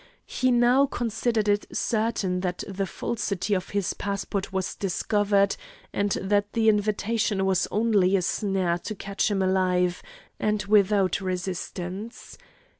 He now considered it certain that the falsity of his passport was discovered, and that the invitation was only a snare to catch him alive and without resistance.